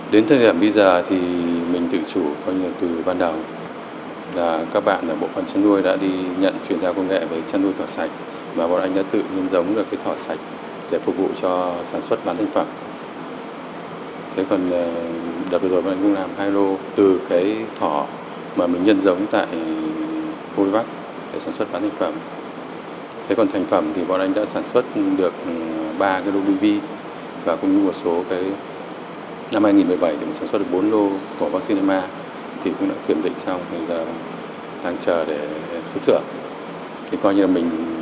đặc biệt đến thời điểm hiện tại không chỉ tự chủ trong việc sản xuất vaccine và sinh phẩm y tế polivac sản xuất tại việt nam